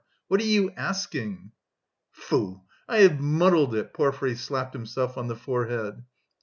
What are you asking?" "Foo! I have muddled it!" Porfiry slapped himself on the forehead.